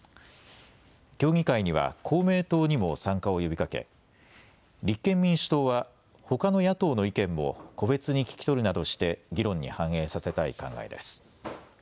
協議会には公明党にも参加を呼びかけ立憲民主党はほかの野党の意見も個別に聞き取るなどして議論に反映させたい考えです。